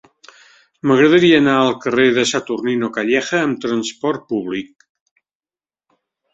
M'agradaria anar al carrer de Saturnino Calleja amb trasport públic.